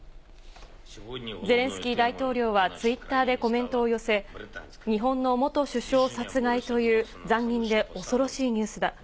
ゼレンスキー大統領はツイッターでコメントを寄せ、日本の元首相殺害という残忍で恐ろしいニュースだ。